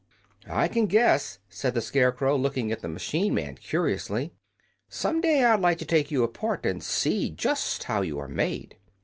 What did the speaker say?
"I can guess," said the Scarecrow, looking at the machine man curiously. "Some day I'd like to take you apart and see just how you are made."